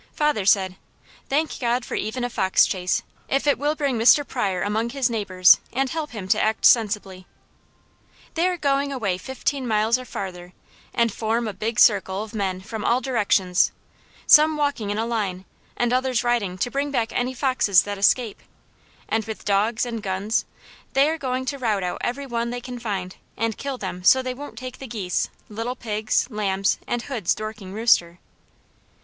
Father said: "Thank God for even a foxchase, if it will bring Mr. Pryor among his neighbours and help him to act sensibly." They are going away fifteen miles or farther, and form a big circle of men from all directions, some walking in a line, and others riding to bring back any foxes that escape, and with dogs, and guns, they are going to rout out every one they can find, and kill them so they won't take the geese, little pigs, lambs, and Hoods' Dorking rooster.